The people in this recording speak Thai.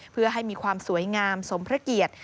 เพื่อให้มีความสวยงามสมพระเกียรติ